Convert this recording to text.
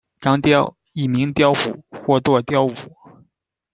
张雕，一名雕虎，或作雕武。